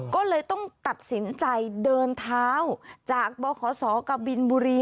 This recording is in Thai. ก็เลยต้องตัดสินใจเดินเท้าจากบขศกบินบุรี